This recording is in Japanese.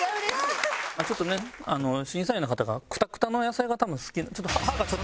まあちょっとね審査員の方がクタクタの野菜が多分好き。